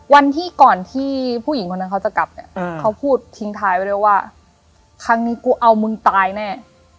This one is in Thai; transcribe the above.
วันที่ก่อนที่ผู้หญิงคนนั้นเขาจะกลับเนี่ยเขาพูดทิ้งท้ายไว้ด้วยว่าครั้งนี้กูเอามึงตายแน่